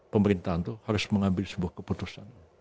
pemerintahan itu harus mengambil sebuah keputusan